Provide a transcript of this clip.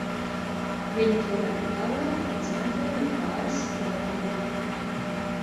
Viņi to var attēlot, izmantojot pāris spoguļu!